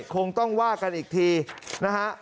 คงต้องว่ากันอีกทีนะฮะ